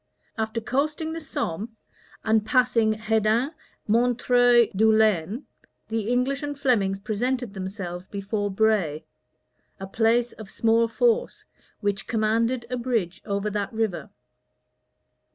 After coasting the Somme, and passing Hedin, Montreuil, Dourlens, the English and Flemings presented themselves before Bray, a place of small force, which commanded a bridge over that river.